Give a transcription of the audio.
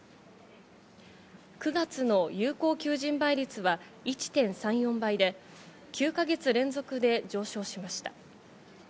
９月の有効求人倍率は１．３４倍で、９か月連続で上昇しました。